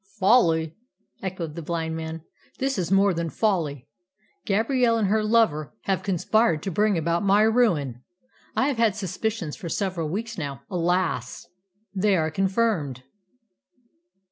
"Folly!" echoed the blind man. "This is more than folly! Gabrielle and her lover have conspired to bring about my ruin. I have had suspicions for several weeks; now, alas! they are confirmed.